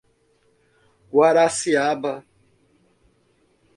Guaraciaba